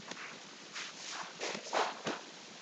Un planeta caído.